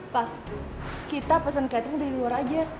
pak kita pesen catering dari luar aja